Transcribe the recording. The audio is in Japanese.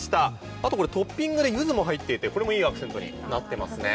あとこれトッピングでゆずも入っていてこれも良いアクセントになってますね。